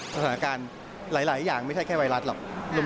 สถานการณ์หลายอย่างไม่ใช่แค่ไวรัสหรอก